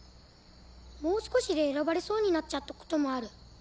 もう少しで選ばれそうになっちゃったこともある。